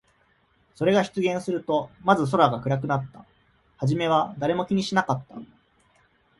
それが出現すると、まず空が暗くなった。はじめは誰も気にしなかった。